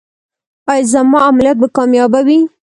ایا زما عملیات به کامیابه وي؟